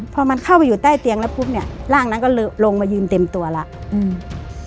พอมันเข้าไปอยู่ใต้เตียงแล้วปุ๊บเนี้ยร่างนั้นก็ลงมายืนเต็มตัวแล้วอืม